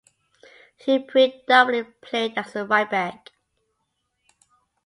He predominantly played as a right-back.